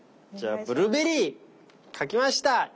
じゃあブルーベリー描きました！